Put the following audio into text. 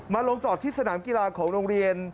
ลงจอดที่สนามกีฬาของโรงเรียน